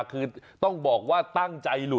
คือต้องบอกว่าตั้งใจหลุด